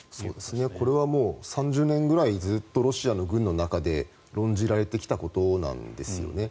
これはもう３０年くらいずっとロシアの軍の中で論じられてきたことなんですね。